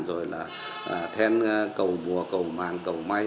rồi là then cầu mùa cầu màng cầu may